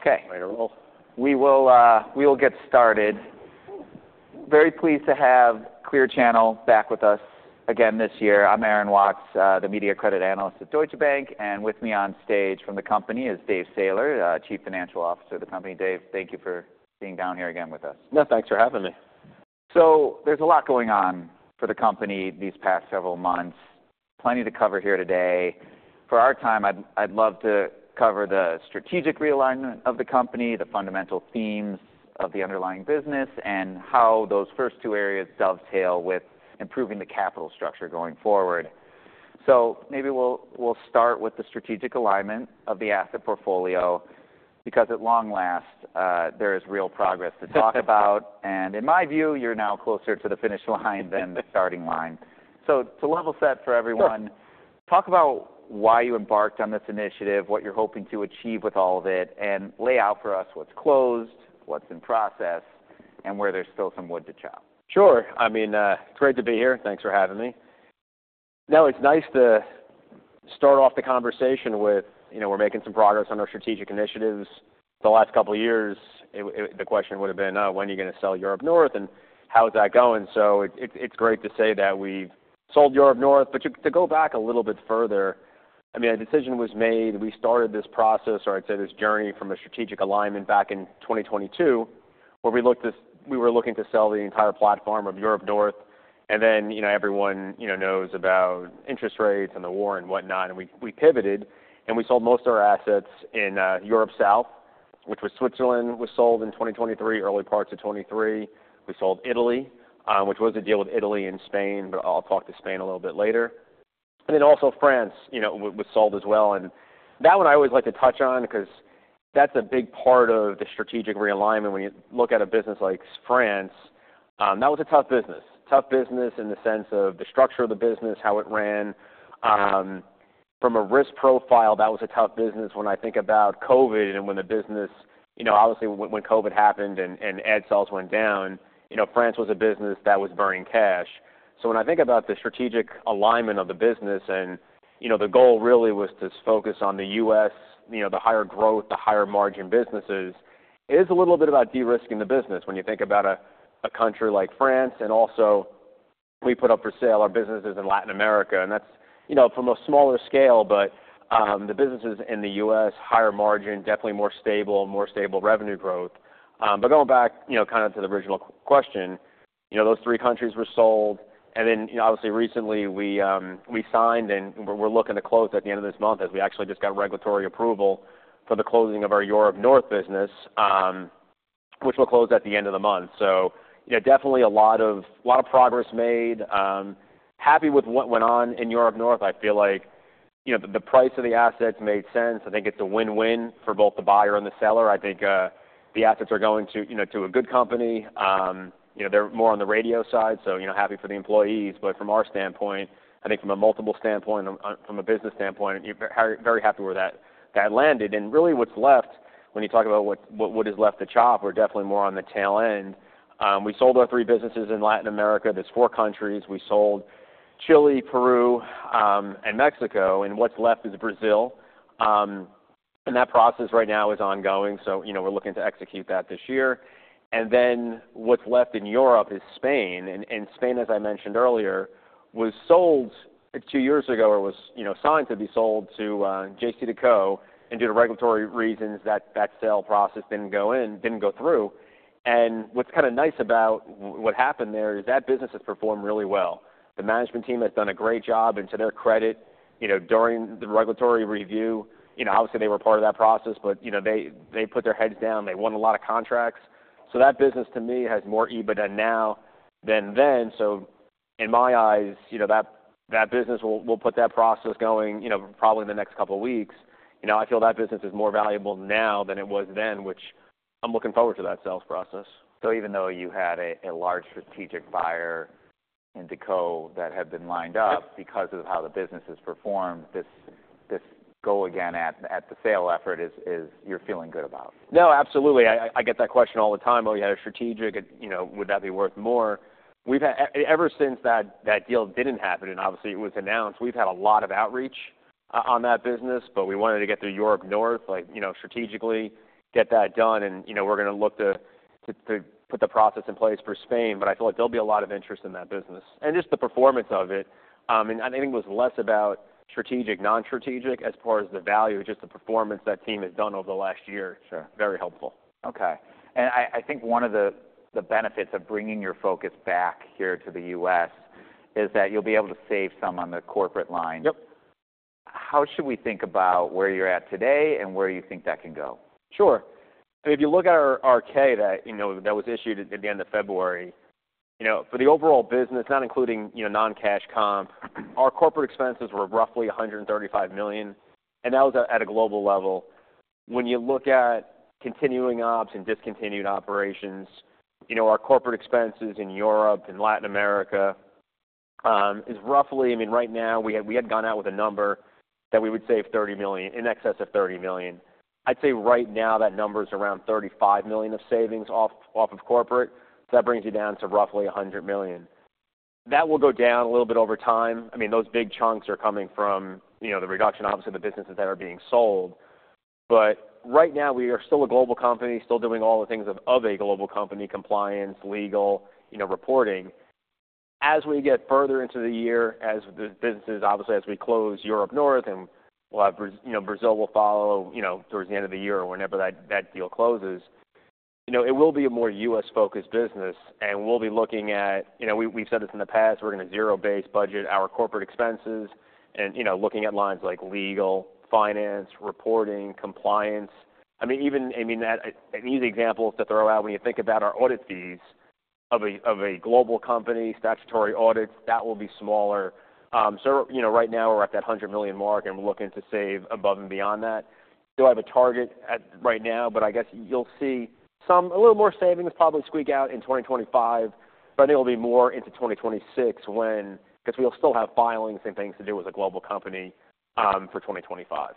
Okay. We will get started. Very pleased to have Clear Channel Outdoor back with us again this year. I'm Aaron Watts, the Media Credit Analyst at Deutsche Bank, and with me on stage from the company is David Sailer, Chief Financial Officer of the company. David, thank you for being down here again with us. No, thanks for having me. There is a lot going on for the company these past several months, plenty to cover here today. For our time, I'd love to cover the strategic realignment of the company, the fundamental themes of the underlying business, and how those first two areas dovetail with improving the capital structure going forward. Maybe we'll start with the strategic alignment of the asset portfolio because at long last there is real progress to talk about. In my view, you're now closer to the finish line than the starting line. To level set for everyone, talk about why you embarked on this initiative, what you're hoping to achieve with all of it, and lay out for us what's closed, what's in process, and where there's still some wood to chop. Sure. I mean, it's great to be here. Thanks for having me. No, it's nice to start off the conversation with, you know, we're making some progress on our strategic initiatives. The last couple of years, the question would have been, when are you going to sell Europe North and how is that going? It's great to say that we've sold Europe North. To go back a little bit further, I mean, a decision was made. We started this process, or I'd say this journey from a strategic alignment back in 2022, where we were looking to sell the entire platform of Europe North. Everyone knows about interest rates and the war and whatnot. We pivoted and we sold most of our assets in Europe South, which was Switzerland, was sold in 2023, early parts of 2023. We sold Italy, which was a deal with Italy and Spain, but I'll talk to Spain a little bit later. Also, France was sold as well. That one I always like to touch on because that's a big part of the strategic realignment. When you look at a business like France, that was a tough business, tough business in the sense of the structure of the business, how it ran. From a risk profile, that was a tough business. When I think about COVID and when the business, obviously when COVID happened and ad sales went down, France was a business that was burning cash. When I think about the strategic alignment of the business and the goal really was to focus on the U.S., the higher growth, the higher margin businesses, it is a little bit about de-risking the business when you think about a country like France. Also, we put up for sale our businesses in Latin America. That is from a smaller scale, but the businesses in the U.S., higher margin, definitely more stable, more stable revenue growth. Going back kind of to the original question, those three countries were sold. Obviously, recently we signed and we are looking to close at the end of this month as we actually just got regulatory approval for the closing of our Europe North business, which will close at the end of the month. Definitely a lot of progress made. Happy with what went on in Europe North. I feel like the price of the assets made sense. I think it's a win-win for both the buyer and the seller. I think the assets are going to a good company. They're more on the radio side, so happy for the employees. From our standpoint, I think from a multiple standpoint, from a business standpoint, very happy where that landed. Really what's left when you talk about what is left to chop, we're definitely more on the tail end. We sold our three businesses in Latin America. There are four countries. We sold Chile, Peru, and Mexico. What's left is Brazil. That process right now is ongoing. We are looking to execute that this year. What's left in Europe is Spain. Spain, as I mentioned earlier, was sold two years ago or was signed to be sold to JCDecaux and due to regulatory reasons, that sale process did not go in, did not go through. What is kind of nice about what happened there is that business has performed really well. The management team has done a great job. To their credit, during the regulatory review, obviously they were part of that process, but they put their heads down. They won a lot of contracts. That business to me has more EBITDA now than then. In my eyes, that business will put that process going probably in the next couple of weeks. I feel that business is more valuable now than it was then, which I am looking forward to that sales process. Even though you had a large strategic buyer in JCDecaux that had been lined up because of how the business has performed, this go again at the sale effort is you're feeling good about. No, absolutely. I get that question all the time. Oh, you had a strategic, would that be worth more? Ever since that deal did not happen and obviously it was announced, we have had a lot of outreach on that business, but we wanted to get through Europe North, strategically get that done. We are going to look to put the process in place for Spain. I feel like there will be a lot of interest in that business and just the performance of it. I think it was less about strategic, non-strategic as far as the value, just the performance that team has done over the last year. Very helpful. Okay. I think one of the benefits of bringing your focus back here to the U.S. is that you'll be able to save some on the corporate line. How should we think about where you're at today and where you think that can go? Sure. I mean, if you look at our K that was issued at the end of February, for the overall business, not including non-cash comp, our corporate expenses were roughly $135 million. That was at a global level. When you look at continuing ops and discontinued operations, our corporate expenses in Europe and Latin America is roughly, I mean, right now we had gone out with a number that we would save $30 million, in excess of $30 million. I'd say right now that number is around $35 million of savings off of corporate. That brings you down to roughly $100 million. That will go down a little bit over time. I mean, those big chunks are coming from the reduction, obviously, of the businesses that are being sold. Right now we are still a global company, still doing all the things of a global company, compliance, legal, reporting. As we get further into the year, as the businesses, obviously, as we close Europe North and Brazil will follow towards the end of the year or whenever that deal closes, it will be a more U.S.-focused business. We will be looking at, we have said this in the past, we are going to zero-base, budget our corporate expenses and looking at lines like legal, finance, reporting, compliance. I mean, even an easy example to throw out, when you think about our audit fees of a global company, statutory audits, that will be smaller. Right now we are at that $100 million mark and we are looking to save above and beyond that. Do I have a target right now? I guess you'll see a little more savings probably squeak out in 2025, but I think it'll be more into 2026 because we'll still have filings and things to do with a global company for 2025.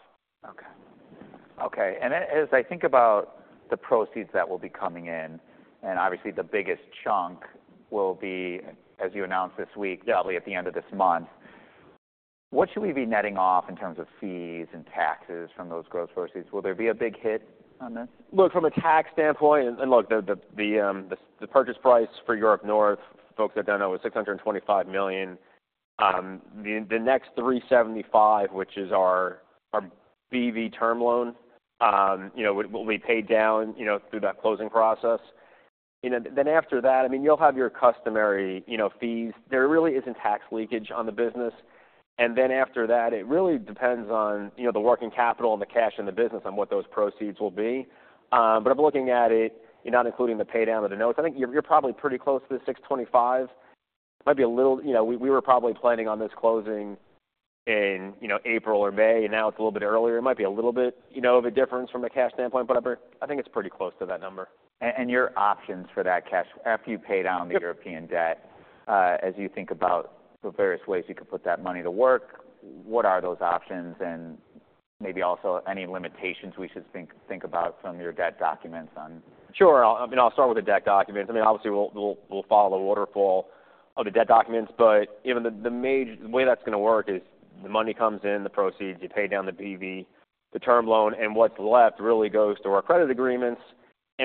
Okay. Okay. As I think about the proceeds that will be coming in, and obviously the biggest chunk will be, as you announced this week, probably at the end of this month, what should we be netting off in terms of fees and taxes from those gross proceeds? Will there be a big hit on this? Look, from a tax standpoint, and look, the purchase price for Europe North, folks have done over $625 million. The next $375 million, which is our B.V. term loan, will be paid down through that closing process. After that, I mean, you'll have your customary fees. There really isn't tax leakage on the business. After that, it really depends on the working capital and the cash in the business and what those proceeds will be. I'm looking at it, not including the pay down of the notes, I think you're probably pretty close to the $625 million. It might be a little, we were probably planning on this closing in April or May, and now it's a little bit earlier. It might be a little bit of a difference from a cash standpoint, but I think it's pretty close to that number. Your options for that cash, after you pay down the European debt, as you think about the various ways you could put that money to work, what are those options? Maybe also any limitations we should think about from your debt documents on. Sure. I mean, I'll start with the debt documents. I mean, obviously we'll follow the waterfall of the debt documents. The way that's going to work is the money comes in, the proceeds, you pay down the B.V., the term loan, and what's left really goes to our credit agreements.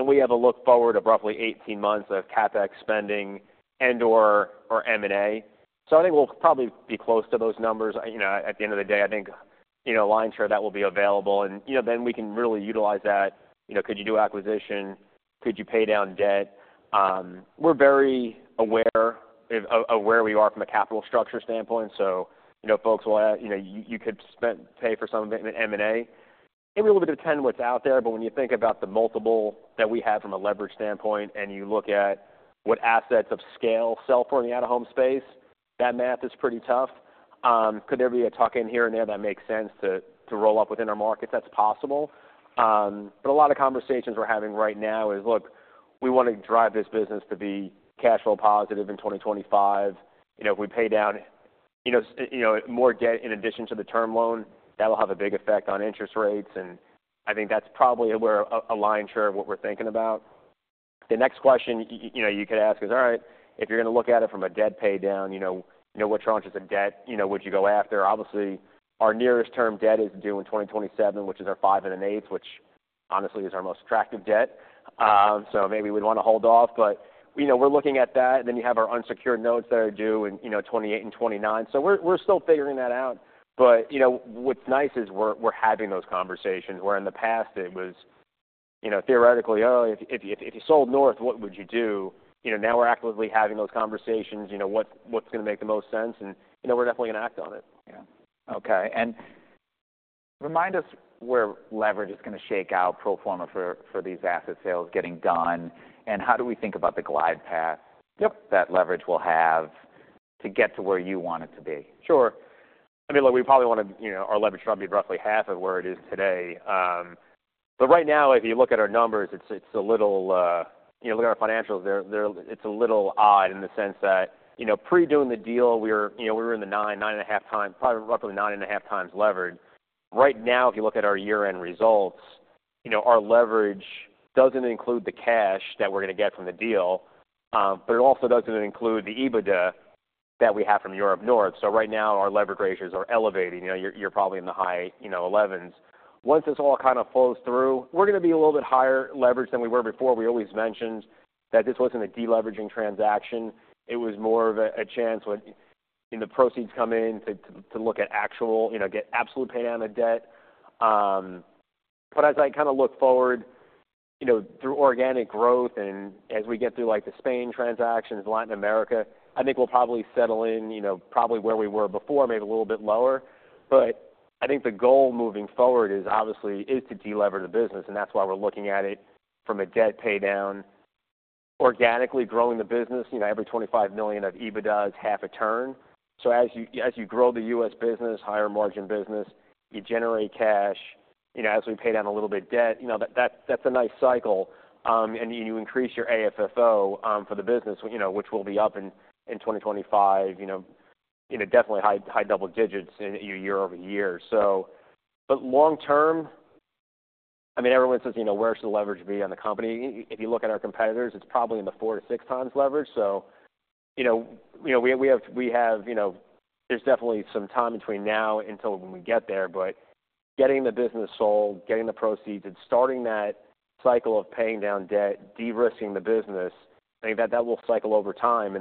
We have a look forward of roughly 18 months of CapEx spending and/or M&A. I think we'll probably be close to those numbers. At the end of the day, I think a line share that will be available. Then we can really utilize that. Could you do acquisition? Could you pay down debt? We're very aware of where we are from a capital structure standpoint. Folks will add, you could pay for some of the M&A. It will depend what's out there. When you think about the multiple that we have from a leverage standpoint and you look at what assets of scale sell for in the out-of-home space, that math is pretty tough. Could there be a tuck in here and there that makes sense to roll up within our markets? That's possible. A lot of conversations we're having right now is, look, we want to drive this business to be cash flow positive in 2025. If we pay down more debt in addition to the term loan, that'll have a big effect on interest rates. I think that's probably a line share of what we're thinking about. The next question you could ask is, all right, if you're going to look at it from a debt pay down, what challenges of debt would you go after? Obviously, our nearest term debt is due in 2027, which is our five and an eighth, which honestly is our most attractive debt. Maybe we'd want to hold off. We are looking at that. You have our unsecured notes that are due in 2028 and 2029. We are still figuring that out. What is nice is we are having those conversations where in the past it was theoretically, oh, if you sold North, what would you do? Now we are actively having those conversations. What is going to make the most sense? We are definitely going to act on it. Yeah. Okay. Remind us where leverage is going to shake out pro forma for these asset sales getting done. How do we think about the glide path that leverage will have to get to where you want it to be? Sure. I mean, look, we probably want to our leverage should probably be roughly half of where it is today. Right now, if you look at our numbers, it's a little, look at our financials, it's a little odd in the sense that pre-doing the deal, we were in the nine, nine and a half times, probably roughly nine and a half times levered. Right now, if you look at our year-end results, our leverage doesn't include the cash that we're going to get from the deal, but it also doesn't include the EBITDA that we have from Europe North. Right now, our leverage ratios are elevating. You're probably in the high elevens. Once this all kind of flows through, we're going to be a little bit higher leverage than we were before. We always mentioned that this wasn't a deleveraging transaction. It was more of a chance when the proceeds come in to look at actual, get absolute pay down of debt. As I kind of look forward through organic growth and as we get through the Spain transactions, Latin America, I think we'll probably settle in probably where we were before, maybe a little bit lower. I think the goal moving forward is obviously to deleverage the business. That is why we're looking at it from a debt pay down, organically growing the business. Every $25 million of EBITDA is half a turn. As you grow the U.S. business, higher margin business, you generate cash. As we pay down a little bit of debt, that is a nice cycle. You increase your AFFO for the business, which will be up in 2025, definitely high double digits year-over-year. Long term, I mean, everyone says, where should the leverage be on the company? If you look at our competitors, it's probably in the 4-6 times leverage. We have definitely some time between now until when we get there. Getting the business sold, getting the proceeds, and starting that cycle of paying down debt, de-risking the business, I think that will cycle over time.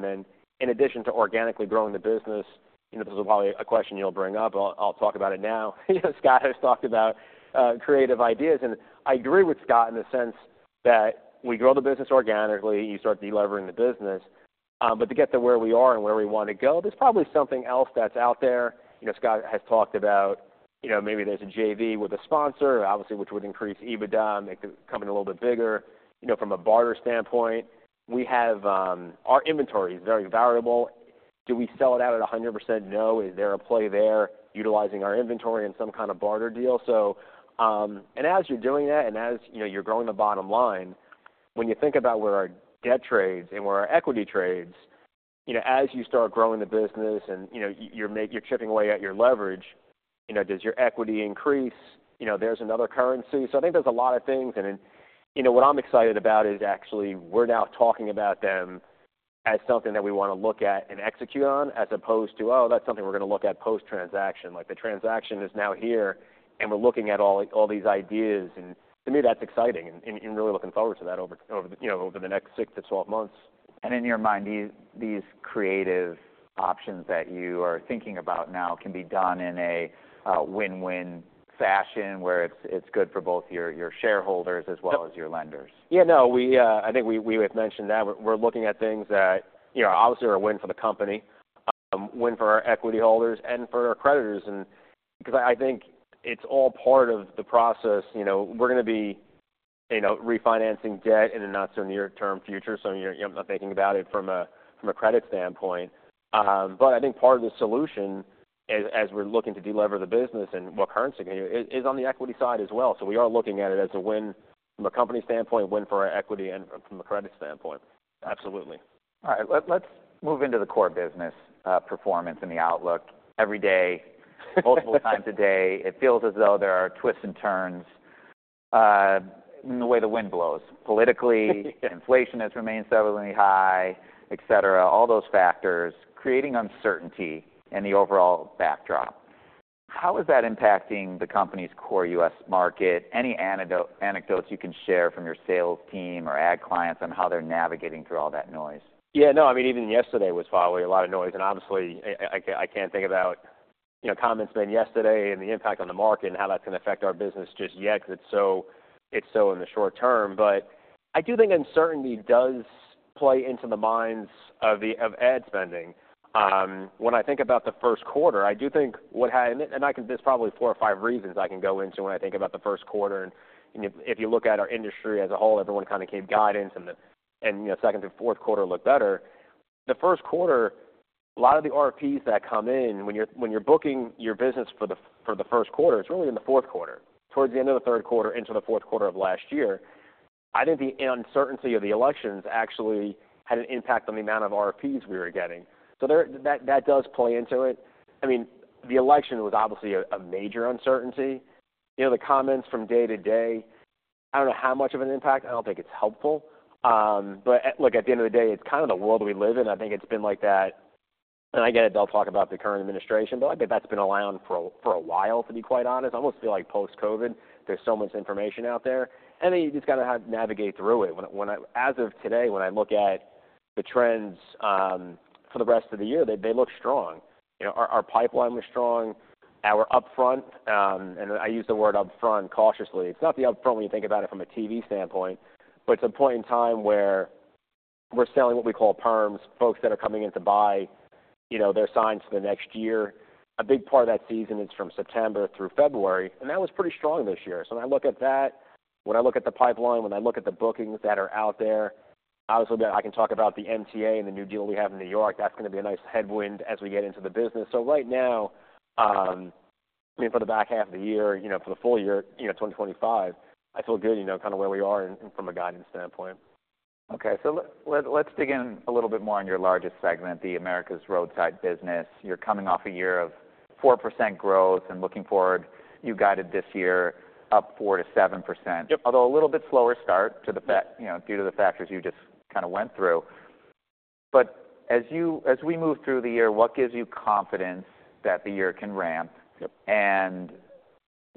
In addition to organically growing the business, this is probably a question you'll bring up. I'll talk about it now. Scott has talked about creative ideas. I agree with Scott in the sense that we grow the business organically, you start deleveraging the business. To get to where we are and where we want to go, there's probably something else that's out there. Scott has talked about maybe there's a JV with a sponsor, obviously, which would increase EBITDA, make the company a little bit bigger. From a barter standpoint, our inventory is very variable. Do we sell it out at 100%? No. Is there a play there utilizing our inventory in some kind of barter deal? As you're doing that and as you're growing the bottom line, when you think about where our debt trades and where our equity trades, as you start growing the business and you're chipping away at your leverage, does your equity increase? There's another currency. I think there's a lot of things. What I'm excited about is actually we're now talking about them as something that we want to look at and execute on as opposed to, oh, that's something we're going to look at post-transaction. The transaction is now here and we're looking at all these ideas. To me, that's exciting and really looking forward to that over the next 6 to 12 months. In your mind, these creative options that you are thinking about now can be done in a win-win fashion where it's good for both your shareholders as well as your lenders. Yeah. No, I think we have mentioned that. We're looking at things that obviously are a win for the company, win for our equity holders and for our creditors. I think it's all part of the process. We're going to be refinancing debt in the not-so-near-term future. I'm not thinking about it from a credit standpoint. I think part of the solution as we're looking to deliver the business and what currency is on the equity side as well. We are looking at it as a win from a company standpoint, win for our equity and from a credit standpoint. Absolutely. All right. Let's move into the core business performance and the outlook. Every day, multiple times a day, it feels as though there are twists and turns in the way the wind blows. Politically, inflation has remained severely high, etc. All those factors creating uncertainty in the overall backdrop. How is that impacting the company's core U.S. market? Any anecdotes you can share from your sales team or ad clients on how they're navigating through all that noise? Yeah. No, I mean, even yesterday was probably a lot of noise. Obviously, I can't think about comments made yesterday and the impact on the market and how that's going to affect our business just yet because it's so in the short term. I do think uncertainty does play into the minds of ad spending. When I think about the first quarter, I do think what had, and this is probably four or five reasons I can go into when I think about the first quarter. If you look at our industry as a whole, everyone kind of gave guidance and the second and fourth quarter looked better. The first quarter, a lot of the RFPs that come in when you're booking your business for the first quarter, it's really in the fourth quarter, towards the end of the third quarter, into the fourth quarter of last year. I think the uncertainty of the elections actually had an impact on the amount of RFPs we were getting. That does play into it. I mean, the election was obviously a major uncertainty. The comments from day to day, I don't know how much of an impact. I don't think it's helpful. At the end of the day, it's kind of the world we live in. I think it's been like that. I get it. They'll talk about the current administration, but I bet that's been around for a while, to be quite honest. I almost feel like post-COVID, there's so much information out there. You just got to navigate through it. As of today, when I look at the trends for the rest of the year, they look strong. Our pipeline was strong. Our upfront, and I use the word upfront cautiously. It is not the upfront when you think about it from a TV standpoint, but it is a point in time where we are selling what we call perms, folks that are coming in to buy their signs for the next year. A big part of that season is from September through February. That was pretty strong this year. When I look at that, when I look at the pipeline, when I look at the bookings that are out there, obviously, I can talk about the MTA and the new deal we have in New York. That is going to be a nice headwind as we get into the business. Right now, I mean, for the back half of the year, for the full year, 2025, I feel good kind of where we are from a guidance standpoint. Okay. Let's dig in a little bit more on your largest segment, the Americas roadside business. You're coming off a year of 4% growth and looking forward, you guided this year up 4-7%, although a little bit slower start due to the factors you just kind of went through. As we move through the year, what gives you confidence that the year can ramp?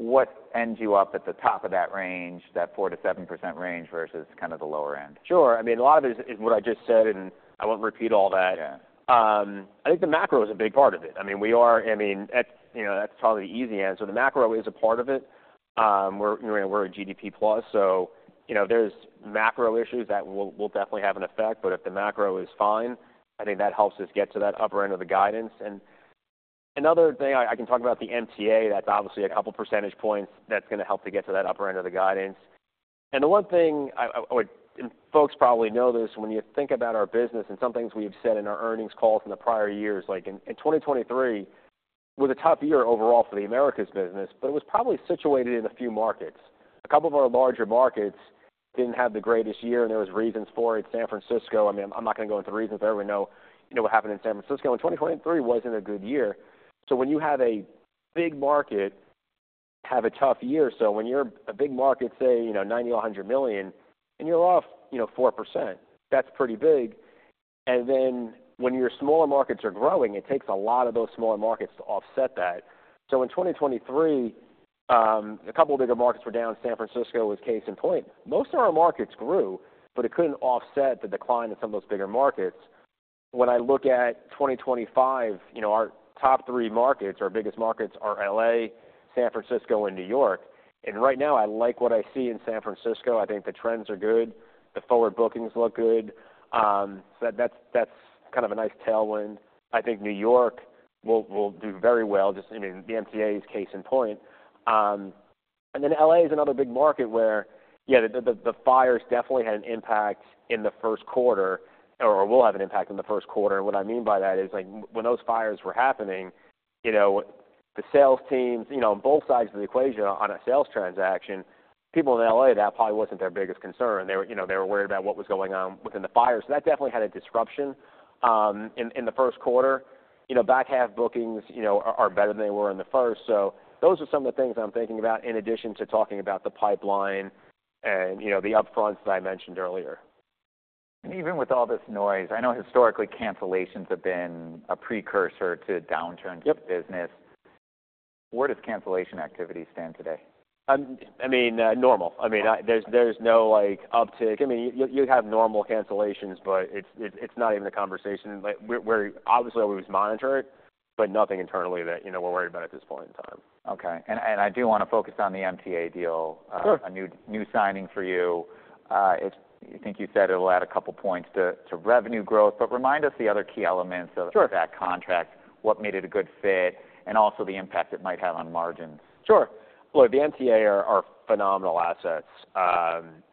What ends you up at the top of that range, that 4-7% range versus kind of the lower end? Sure. I mean, a lot of it is what I just said, and I won't repeat all that. I think the macro is a big part of it. I mean, we are, I mean, that's probably the easy answer. The macro is a part of it. We're a GDP plus. So there's macro issues that will definitely have an effect. If the macro is fine, I think that helps us get to that upper end of the guidance. Another thing, I can talk about the MTA. That's obviously a couple of percentage points that's going to help to get to that upper end of the guidance. The one thing, and folks probably know this, when you think about our business and some things we have said in our earnings calls in the prior years, like in 2023, was a tough year overall for the Americas business, but it was probably situated in a few markets. A couple of our larger markets did not have the greatest year, and there were reasons for it. San Francisco, I mean, I am not going to go into the reasons there. We know what happened in San Francisco. 2023 was not a good year. When you have a big market have a tough year, when you are a big market, say, $90 million-$100 million, and you are off 4%, that is pretty big. When your smaller markets are growing, it takes a lot of those smaller markets to offset that. In 2023, a couple of bigger markets were down. San Francisco was case in point. Most of our markets grew, but it could not offset the decline in some of those bigger markets. When I look at 2025, our top three markets, our biggest markets are LA, San Francisco, and New York. Right now, I like what I see in San Francisco. I think the trends are good. The forward bookings look good. That is kind of a nice tailwind. I think New York will do very well. I mean, the MTA is case in point. LA is another big market where, yeah, the fires definitely had an impact in the first quarter or will have an impact in the first quarter. What I mean by that is when those fires were happening, the sales teams on both sides of the equation on a sales transaction, people in LA, that probably was not their biggest concern. They were worried about what was going on within the fires. That definitely had a disruption in the first quarter. Back half bookings are better than they were in the first. Those are some of the things I'm thinking about in addition to talking about the pipeline and the upfronts that I mentioned earlier. Even with all this noise, I know historically cancellations have been a precursor to downturns in business. Where does cancellation activity stand today? I mean, normal. I mean, there's no uptick. I mean, you have normal cancellations, but it's not even a conversation. Obviously, we always monitor it, but nothing internally that we're worried about at this point in time. Okay. I do want to focus on the MTA deal, a new signing for you. I think you said it'll add a couple of points to revenue growth. Remind us the other key elements of that contract, what made it a good fit, and also the impact it might have on margins. Sure. Look, the MTA are phenomenal assets.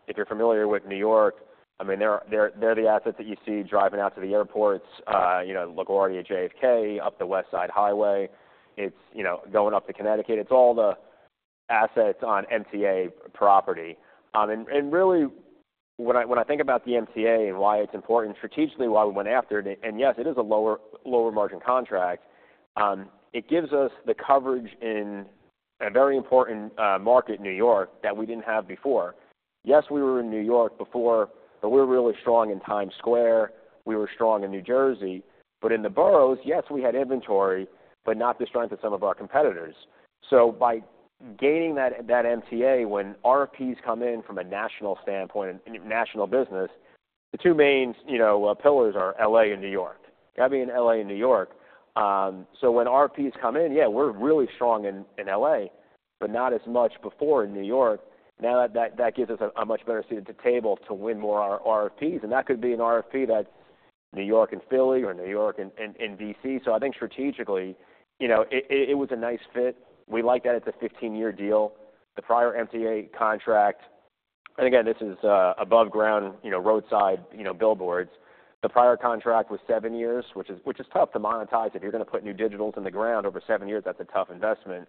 If you're familiar with New York, I mean, they're the assets that you see driving out to the airports, LaGuardia, JFK, up the West Side Highway, going up to Connecticut. It's all the assets on MTA property. Really, when I think about the MTA and why it's important, strategically why we went after it, and yes, it is a lower margin contract, it gives us the coverage in a very important market in New York that we didn't have before. Yes, we were in New York before, but we were really strong in Times Square. We were strong in New Jersey. In the boroughs, yes, we had inventory, but not the strength of some of our competitors. By gaining that MTA, when RFPs come in from a national standpoint, national business, the two main pillars are LA and New York. I mean, LA and New York. When RFPs come in, yeah, we're really strong in LA, but not as much before in New York. Now that gives us a much better seat at the table to win more RFPs. That could be an RFP that is New York and Philly or New York and DC. I think strategically, it was a nice fit. We liked that it's a 15-year deal. The prior MTA contract, and again, this is above ground, roadside billboards. The prior contract was seven years, which is tough to monetize. If you're going to put new digitals in the ground over seven years, that's a tough investment.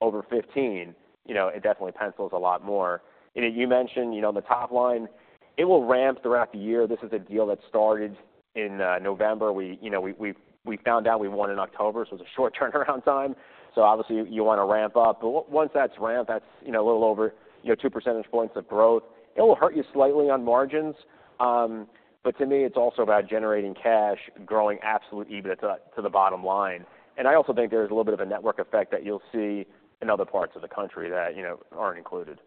Over 15, it definitely pencils a lot more. You mentioned on the top line, it will ramp throughout the year. This is a deal that started in November. We found out we won in October. It was a short turnaround time. Obviously, you want to ramp up. Once that is ramped, that is a little over 2 percentage points of growth. It will hurt you slightly on margins. To me, it is also about generating cash, growing absolute EBITDA to the bottom line. I also think there is a little bit of a network effect that you will see in other parts of the country that are not included.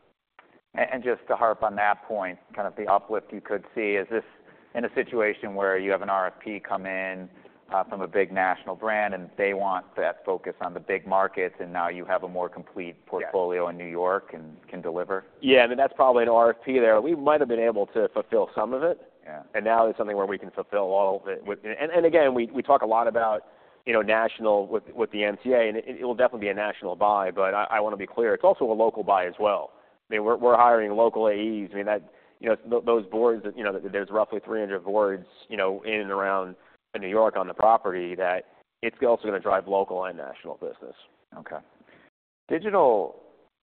Just to harp on that point, kind of the uplift you could see, is this in a situation where you have an RFP come in from a big national brand and they want that focus on the big markets and now you have a more complete portfolio in New York and can deliver? Yeah. I mean, that's probably an RFP there. We might have been able to fulfill some of it. Now it's something where we can fulfill all of it. I mean, we talk a lot about national with the MTA, and it will definitely be a national buy. I want to be clear. It's also a local buy as well. I mean, we're hiring local AEs. I mean, those boards, there's roughly 300 boards in and around New York on the property that it's also going to drive local and national business. Okay. Digital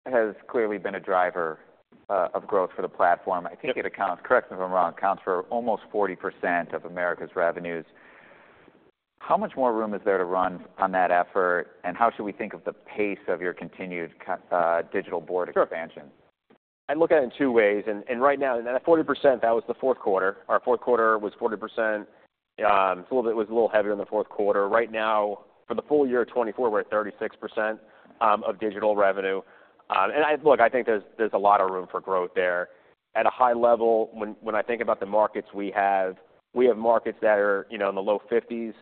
has clearly been a driver of growth for the platform. I think it accounts, correct me if I'm wrong, accounts for almost 40% of Americas revenues. How much more room is there to run on that effort? How should we think of the pace of your continued digital board expansion? I look at it in two ways. Right now, that 40%, that was the fourth quarter. Our fourth quarter was 40%. It was a little heavier in the fourth quarter. Right now, for the full year of 2024, we're at 36% of digital revenue. Look, I think there's a lot of room for growth there. At a high level, when I think about the markets we have, we have markets that are in the low 50s,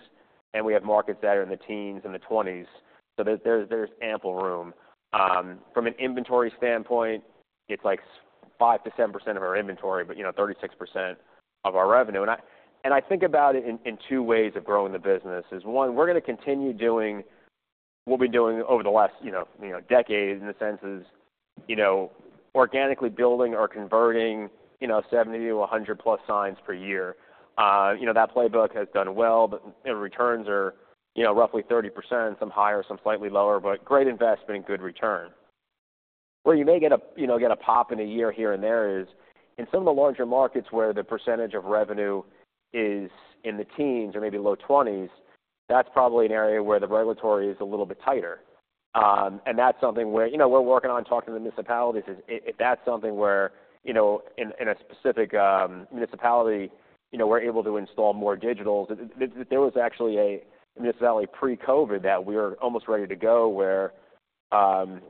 and we have markets that are in the teens and the 20s. There's ample room. From an inventory standpoint, it's like 5-7% of our inventory, but 36% of our revenue. I think about it in two ways of growing the business. One, we're going to continue doing what we've been doing over the last decade in the sense of organically building or converting 70-100 plus signs per year. That playbook has done well, but returns are roughly 30%, some higher, some slightly lower, but great investment and good return. Where you may get a pop in a year here and there is in some of the larger markets where the percentage of revenue is in the teens or maybe low 20%, that's probably an area where the regulatory is a little bit tighter. That's something where we're working on talking to the municipalities is if that's something where in a specific municipality, we're able to install more digitals. There was actually a municipality pre-COVID that we were almost ready to go where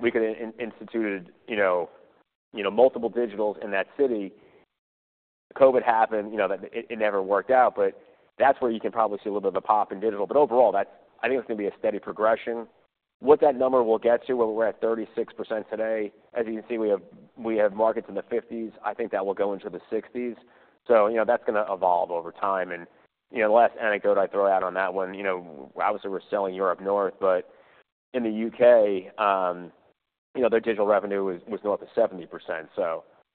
we could have instituted multiple digitals in that city. COVID happened. It never worked out, but that's where you can probably see a little bit of a pop in digital. Overall, I think it's going to be a steady progression. What that number will get to, where we're at 36% today, as you can see, we have markets in the 50% range. I think that will go into the 60% range. That's going to evolve over time. The last anecdote I throw out on that one, obviously, we're selling Europe North, but in the U.K., their digital revenue was north of 70%.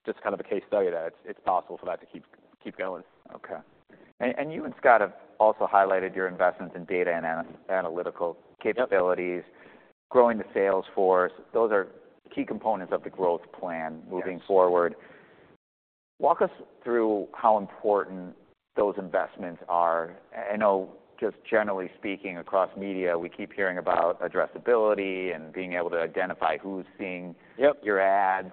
Just kind of a case study that it's possible for that to keep going. Okay. You and Scott have also highlighted your investments in data and analytical capabilities, growing the sales force. Those are key components of the growth plan moving forward. Walk us through how important those investments are. I know just generally speaking, across media, we keep hearing about addressability and being able to identify who's seeing your ads.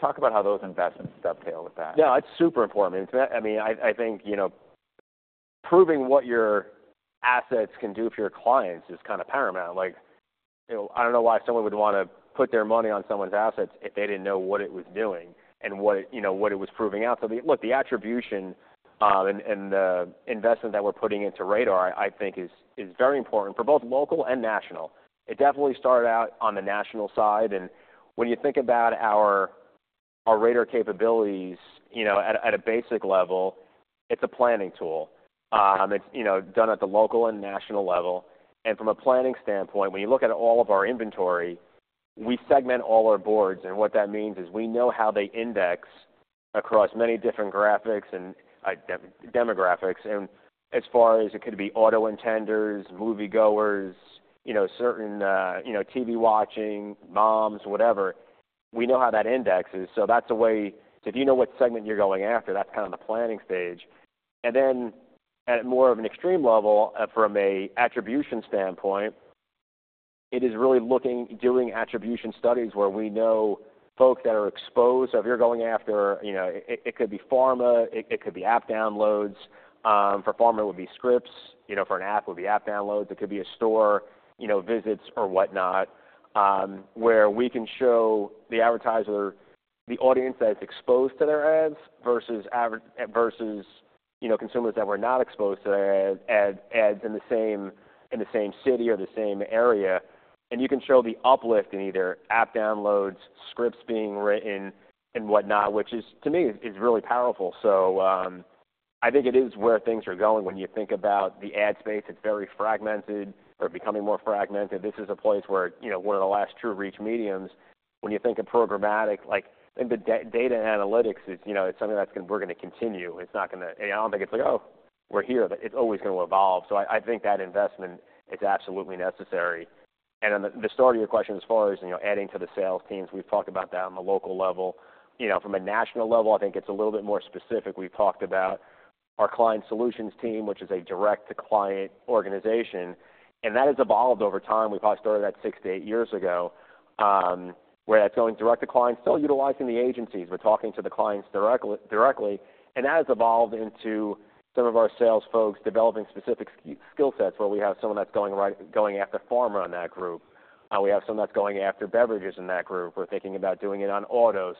Talk about how those investments dovetail with that. Yeah. It's super important. I mean, I think proving what your assets can do for your clients is kind of paramount. I don't know why someone would want to put their money on someone's assets if they didn't know what it was doing and what it was proving out. Look, the attribution and the investment that we're putting into RADAR, I think, is very important for both local and national. It definitely started out on the national side. When you think about our RADAR capabilities at a basic level, it's a planning tool. It's done at the local and national level. From a planning standpoint, when you look at all of our inventory, we segment all our boards. What that means is we know how they index across many different graphics and demographics. As far as it could be auto intenders, moviegoers, certain TV watching, moms, whatever, we know how that indexes. That is a way if you know what segment you're going after, that is kind of the planning stage. At more of an extreme level, from an attribution standpoint, it is really looking, doing attribution studies where we know folks that are exposed. If you're going after, it could be pharma, it could be app downloads. For pharma, it would be scripts. For an app, it would be app downloads. It could be store visits or whatnot, where we can show the advertiser, the audience that is exposed to their ads versus consumers that were not exposed to their ads in the same city or the same area. You can show the uplift in either app downloads, scripts being written, and whatnot, which to me is really powerful. I think it is where things are going when you think about the ad space. It is very fragmented or becoming more fragmented. This is a place where one of the last true reach mediums. When you think of programmatic, I think the data and analytics is something that we are going to continue. It is not going to, I do not think it is like, "Oh, we are here." It is always going to evolve. I think that investment is absolutely necessary. The start of your question as far as adding to the sales teams, we have talked about that on the local level. From a national level, I think it is a little bit more specific. We have talked about our client solutions team, which is a direct-to-client organization. That has evolved over time. We probably started that six to eight years ago, where that is going direct-to-client, still utilizing the agencies. We are talking to the clients directly. That has evolved into some of our sales folks developing specific skill sets where we have someone that is going after pharma in that group. We have someone that is going after beverages in that group. We are thinking about doing it on auto.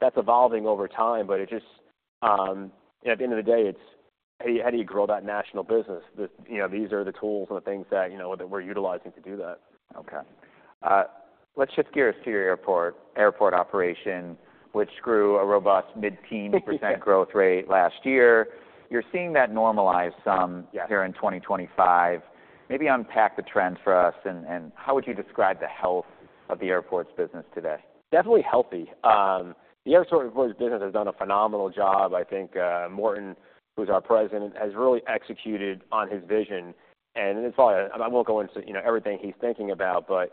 That is evolving over time. At the end of the day, it is how do you grow that national business? These are the tools and the things that we are utilizing to do that. Okay. Let's shift gears to your airport operation, which grew a robust mid-teen % growth rate last year. You're seeing that normalize some here in 2025. Maybe unpack the trends for us. How would you describe the health of the airports business today? Definitely healthy. The airports business has done a phenomenal job. I think Morten, who's our President, has really executed on his vision. I will not go into everything he's thinking about, but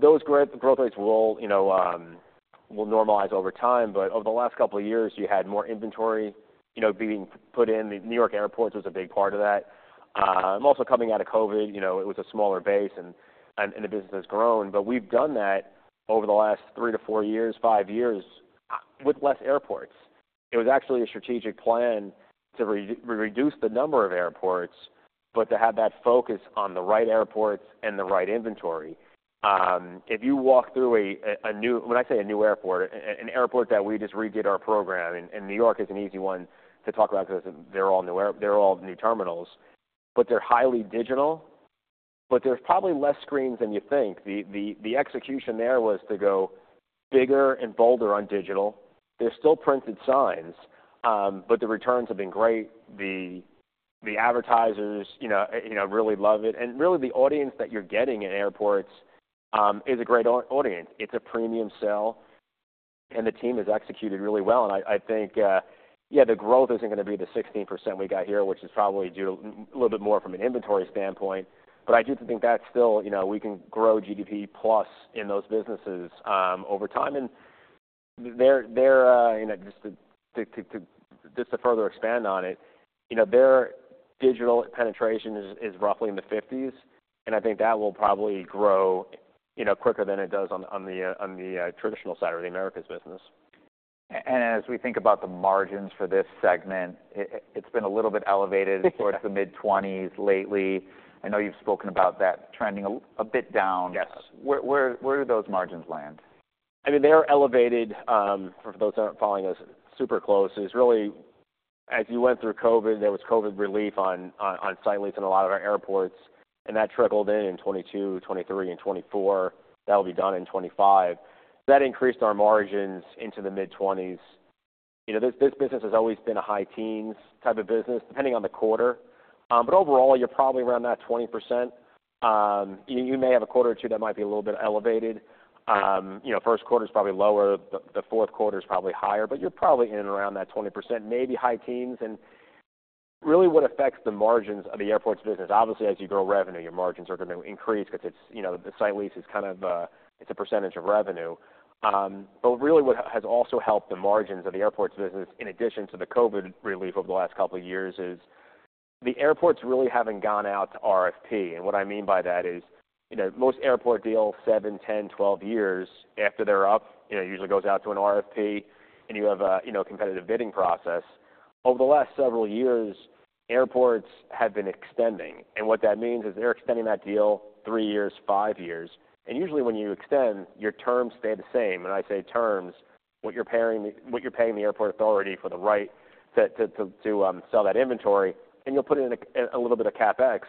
those growth rates will normalize over time. Over the last couple of years, you had more inventory being put in. The New York airports was a big part of that. Also coming out of COVID, it was a smaller base, and the business has grown. We have done that over the last three to four years, five years with fewer airports. It was actually a strategic plan to reduce the number of airports, but to have that focus on the right airports and the right inventory. If you walk through a new, when I say a new airport, an airport that we just redid our program, and New York is an easy one to talk about because they're all new terminals, but they're highly digital, but there's probably less screens than you think. The execution there was to go bigger and bolder on digital. There's still printed signs, but the returns have been great. The advertisers really love it. Really, the audience that you're getting in airports is a great audience. It's a premium sale, and the team has executed really well. I think, yeah, the growth isn't going to be the 16% we got here, which is probably due a little bit more from an inventory standpoint. I do think that still we can grow GDP plus in those businesses over time. Just to further expand on it, their digital penetration is roughly in the 50% range. I think that will probably grow quicker than it does on the traditional side of the Americas business. As we think about the margins for this segment, it's been a little bit elevated towards the mid-20s lately. I know you've spoken about that trending a bit down. Where do those margins land? I mean, they're elevated for those that aren't following us super close. It's really, as you went through COVID, there was COVID relief on site leases in a lot of our airports. And that trickled in in 2022, 2023, and 2024. That will be done in 2025. That increased our margins into the mid-20%. This business has always been a high teens type of business, depending on the quarter. But overall, you're probably around that 20%. You may have a quarter or two that might be a little bit elevated. First quarter is probably lower. The fourth quarter is probably higher. You're probably in and around that 20%, maybe high teens. Really what affects the margins of the airports business, obviously, as you grow revenue, your margins are going to increase because the site lease is kind of a percentage of revenue. What has also helped the margins of the airports business in addition to the COVID relief over the last couple of years is the airports really have not gone out to RFP. What I mean by that is most airport deals, 7, 10, 12 years after they are up, usually go out to an RFP, and you have a competitive bidding process. Over the last several years, airports have been extending. What that means is they are extending that deal three years, five years. Usually when you extend, your terms stay the same. When I say terms, what you are paying the airport authority for the right to sell that inventory, and you will put in a little bit of CapEx.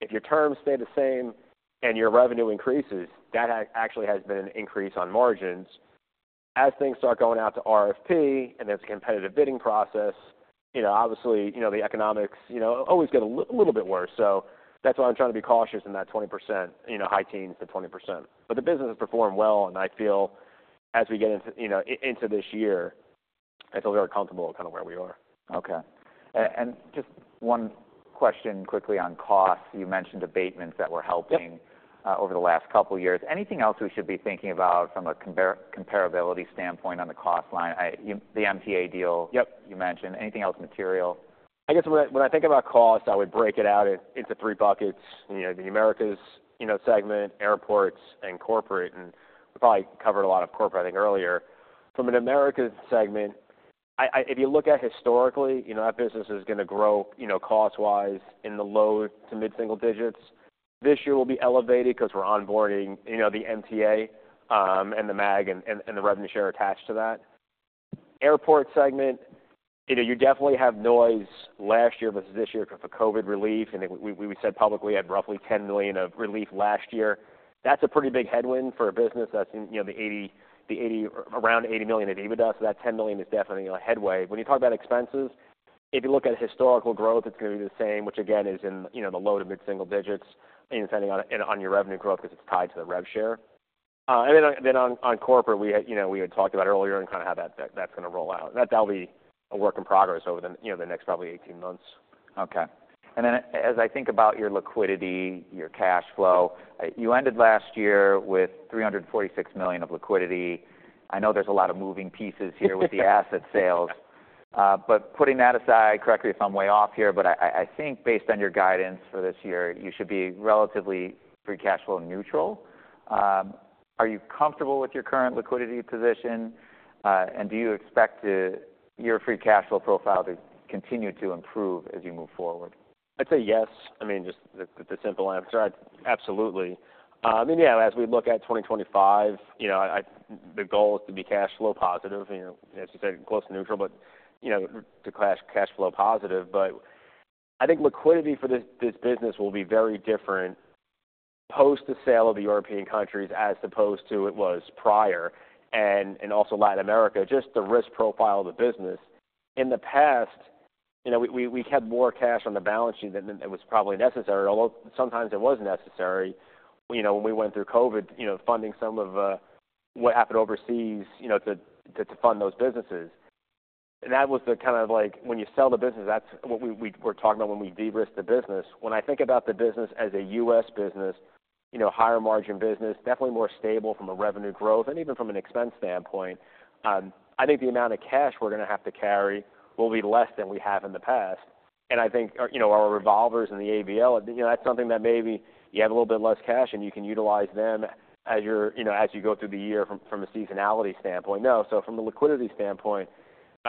If your terms stay the same and your revenue increases, that actually has been an increase on margins. As things start going out to RFP and there's a competitive bidding process, obviously, the economics always get a little bit worse. That is why I'm trying to be cautious in that 20%, high teens, the 20%. The business has performed well, and I feel as we get into this year, I feel very comfortable kind of where we are. Okay. Just one question quickly on costs. You mentioned abatements that were helping over the last couple of years. Anything else we should be thinking about from a comparability standpoint on the cost line? The MTA deal you mentioned. Anything else material? I guess when I think about costs, I would break it out into three buckets: the Americas segment, airports, and corporate. We probably covered a lot of corporate, I think, earlier. From an Americas segment, if you look at historically, that business is going to grow cost-wise in the low to mid-single digits. This year will be elevated because we're onboarding the MTA and the MAG and the revenue share attached to that. Airport segment, you definitely have noise last year versus this year for COVID relief. We said publicly we had roughly $10 million of relief last year. That's a pretty big headwind for a business. That's around $80 million at EBITDA. That $10 million is definitely a headwind. When you talk about expenses, if you look at historical growth, it's going to be the same, which again is in the low to mid-single digits and depending on your revenue growth because it's tied to the rev share. On corporate, we had talked about earlier and kind of how that's going to roll out. That'll be a work in progress over the next probably 18 months. Okay. As I think about your liquidity, your cash flow, you ended last year with $346 million of liquidity. I know there's a lot of moving pieces here with the asset sales. Putting that aside, correct me if I'm way off here, but I think based on your guidance for this year, you should be relatively free cash flow neutral. Are you comfortable with your current liquidity position? Do you expect your free cash flow profile to continue to improve as you move forward? I'd say yes. I mean, just the simple answer, absolutely. I mean, yeah, as we look at 2025, the goal is to be cash flow positive, as you said, close to neutral, but to cash flow positive. I think liquidity for this business will be very different post the sale of the European countries as opposed to it was prior, and also Latin America, just the risk profile of the business. In the past, we had more cash on the balance sheet than it was probably necessary, although sometimes it was necessary when we went through COVID, funding some of what happened overseas to fund those businesses. That was the kind of when you sell the business, that's what we were talking about when we de-risked the business. When I think about the business as a U.S. business, higher margin business, definitely more stable from a revenue growth and even from an expense standpoint. I think the amount of cash we're going to have to carry will be less than we have in the past. I think our revolvers and the ABL, that's something that maybe you have a little bit less cash and you can utilize them as you go through the year from a seasonality standpoint. No. From a liquidity standpoint,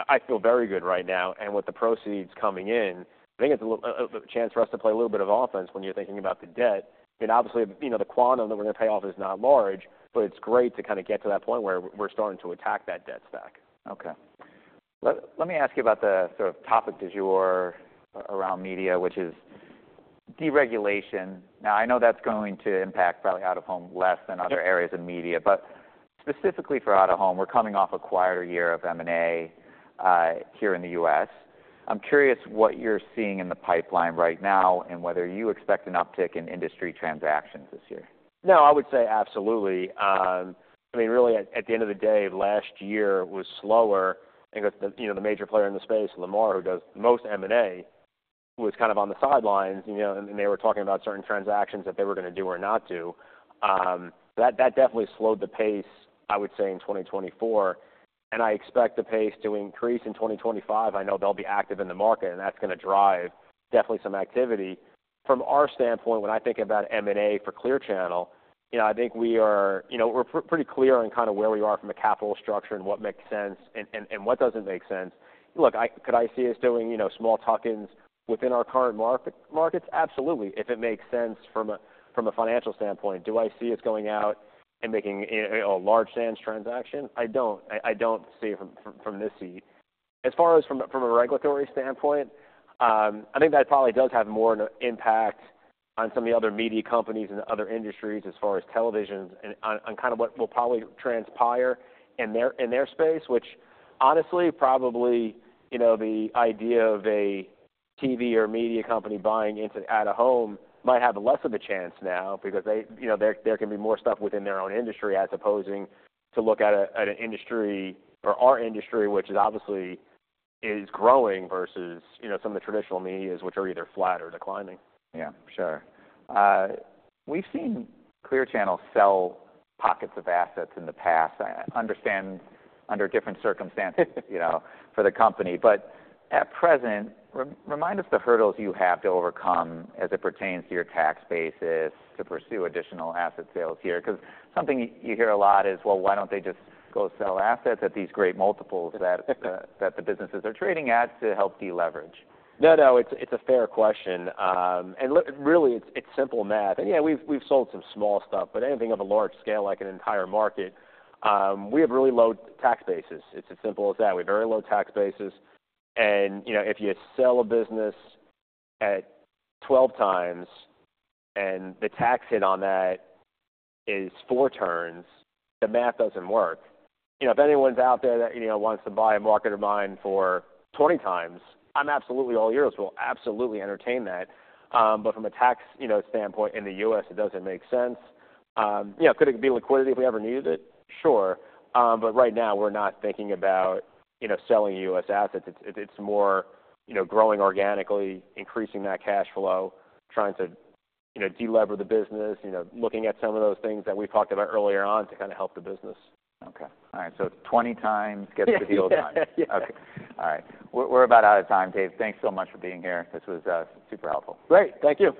I feel very good right now. With the proceeds coming in, I think it's a chance for us to play a little bit of offense when you're thinking about the debt. I mean, obviously, the quantum that we're going to pay off is not large, but it's great to kind of get to that point where we're starting to attack that debt stack. Okay. Let me ask you about the sort of topic du jour around media, which is deregulation. Now, I know that's going to impact probably out of home less than other areas of media, but specifically for out of home, we're coming off a quieter year of M&A here in the U.S. I'm curious what you're seeing in the pipeline right now and whether you expect an uptick in industry transactions this year. No, I would say absolutely. I mean, really, at the end of the day, last year was slower. I think the major player in the space, Lamar, who does most M&A, was kind of on the sidelines, and they were talking about certain transactions that they were going to do or not do. That definitely slowed the pace, I would say, in 2024. I expect the pace to increase in 2025. I know they'll be active in the market, and that's going to drive definitely some activity. From our standpoint, when I think about M&A for Clear Channel, I think we are pretty clear on kind of where we are from a capital structure and what makes sense and what doesn't make sense. Look, could I see us doing small tuck-ins within our current markets? Absolutely. If it makes sense from a financial standpoint, do I see us going out and making a large scale transaction? I do not. I do not see it from this seat. As far as from a regulatory standpoint, I think that probably does have more impact on some of the other media companies and other industries as far as televisions and kind of what will probably transpire in their space, which honestly, probably the idea of a TV or media company buying into out of home might have less of a chance now because there can be more stuff within their own industry as opposed to look at an industry or our industry, which obviously is growing versus some of the traditional medias, which are either flat or declining. Yeah. Sure. We've seen Clear Channel sell pockets of assets in the past, understand under different circumstances for the company. At present, remind us the hurdles you have to overcome as it pertains to your tax basis to pursue additional asset sales here. Because something you hear a lot is, well, why don't they just go sell assets at these great multiples that the businesses are trading at to help deleverage? No, no. It's a fair question. Really, it's simple math. Yeah, we've sold some small stuff, but anything of a large scale, like an entire market, we have really low tax bases. It's as simple as that. We have very low tax bases. If you sell a business at 12 times and the tax hit on that is four turns, the math doesn't work. If anyone's out there that wants to buy a market of mine for 20 times, I'm absolutely all ears. We'll absolutely entertain that. From a tax standpoint in the U.S., it doesn't make sense. Could it be liquidity if we ever needed it? Sure. Right now, we're not thinking about selling U.S. assets. It's more growing organically, increasing that cash flow, trying to delever the business, looking at some of those things that we've talked about earlier on to kind of help the business. Okay. All right. So 20 times gets the deal done. Yes. Yes. Okay. All right. We're about out of time, Dave. Thanks so much for being here. This was super helpful. Great. Thank you.